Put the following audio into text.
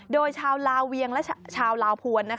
โดยชาวลาเวียงและชาวลาวพวน